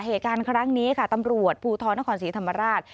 เหตุการณ์ครั้งนี้ค่ะตำรวจภูทรนครศรีธรรมราช